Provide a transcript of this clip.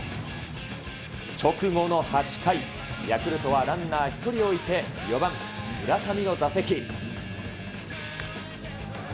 直後の８回、ヤクルトはランナー１人をおいて、４番村上の打席。